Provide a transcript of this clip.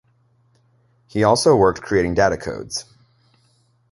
He also worked creating data codes.